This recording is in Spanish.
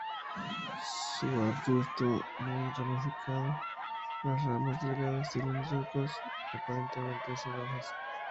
Subarbusto muy ramificado, las ramas delgadas, cilíndricos, aparentemente sin hojas.